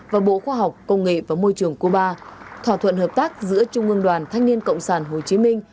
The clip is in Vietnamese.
và bộ khoa học công nghệ và môi trường cuba thỏa thuận hợp tác giữa trung ương đoàn thanh niên cộng sản hồ chí minh